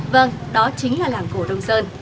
vâng đó chính là làng cổ đông sơn